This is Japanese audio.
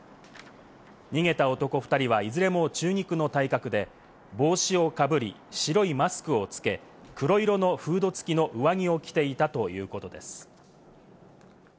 逃げた男２人はいずれも中肉の体格で、帽子をかぶり、白いマスクを着け、黒色のフード付きの上着を着ていたということです。